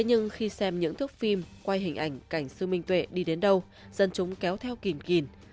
nhưng khi xem những thước phim quay hình ảnh cảnh sư minh tuệ đi đến đâu dân chúng kéo theo kìm kìn